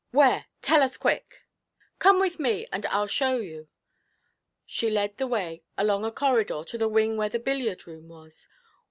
'Where? Tell us, quick!' 'Come with me, and I'll show you.' She led the way along a corridor to the wing where the billiard room was.